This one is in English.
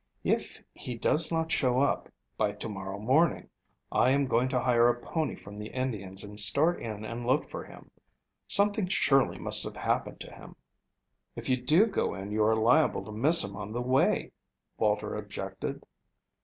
"If he does not show up by to morrow morning, I am going to hire a pony from the Indians and start in and look for him. Something surely must have happened to him." "If you do go in you are liable to miss him on the way," Walter objected.